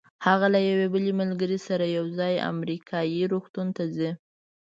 هغه له یوې بلې ملګرې سره یو ځای امریکایي روغتون ته ځي.